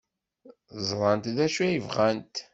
Ẓrant d acu ay bɣant.